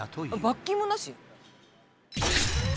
罰金もなし？